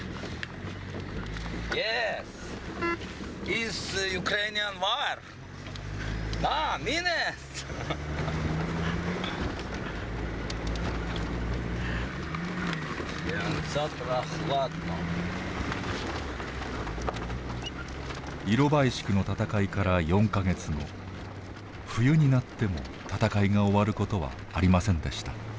イロバイシクの戦いから４か月後冬になっても戦いが終わることはありませんでした。